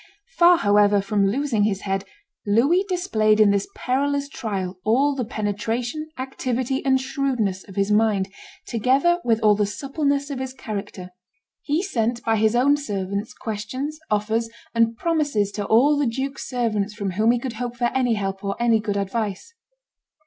Far, however, from losing his head, Louis displayed in this perilous trial all the penetration, activity, and shrewdness of his mind, together with all the suppleness of his character; he sent by his own servants questions, offers, and promises to all the duke's servants from whom he could hope for any help or any good advice.